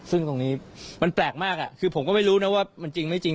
ซึ่งตรงนี้มันแปลกมากคือผมก็ไม่รู้นะว่ามันจริงไม่จริง